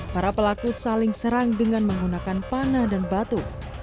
para pelaku saling serang dengan menggunakan panah dan batu